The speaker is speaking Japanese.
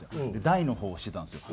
大の方をしてたんですよ。